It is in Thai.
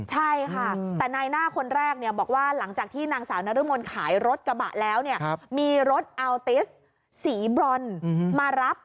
ใช่ค่ะแต่นายหน้าคนแรกบอกว่าหลังจากที่นางสาวนรมนขายรถกระบะแล้วเนี่ยมีรถอัลติสสีบรอนมารับ